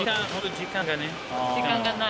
時間がない。